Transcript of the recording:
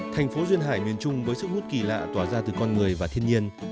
thành phố duyên hải miền trung với sức hút kỳ lạ tỏa ra từ con người và thiên nhiên